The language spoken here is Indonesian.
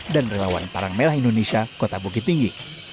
dan relawan parang melah indonesia kota bukit tinggi